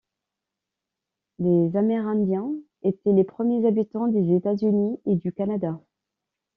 Les Amérindiens étaient les premiers habitants des États-Unis et du Canada.